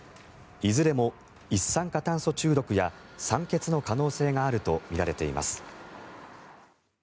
いずれも一酸化炭素中毒や酸欠の可能性があるとみられています。